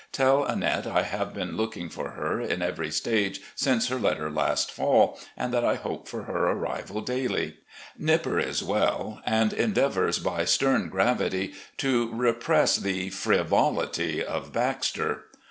Tell Annette I have been looking for her in every stage since her letter last fall, and that I hope for her arrival daily. Nipper is well, and endeavours, by stem gravity, to repress the frivolity of Baxter.